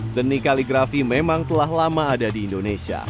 seni kaligrafi memang telah lama ada di indonesia